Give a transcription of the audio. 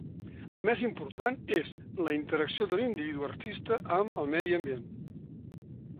El més important és la interacció de l'individu artista amb el medi ambient.